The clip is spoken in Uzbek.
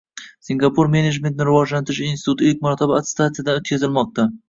Singapur menejmentni rivojlantirish instituti ilk marotaba attestatsiyadan o‘tkazilmoqdang